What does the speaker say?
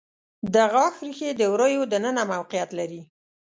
د غاښ ریښې د وریو د ننه موقعیت لري.